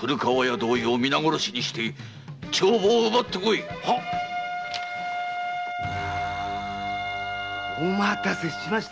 古河屋同様皆殺しにして帳簿を奪ってこい！お待たせしました。